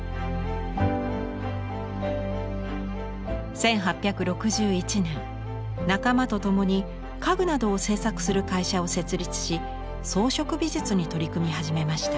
１８６１年仲間と共に家具などを製作する会社を設立し装飾美術に取り組み始めました。